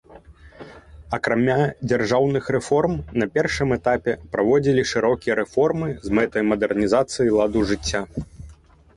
Акрамя дзяржаўных рэформ на першым этапе праводзілі шырокія рэформы з мэтай мадэрнізацыі ладу жыцця.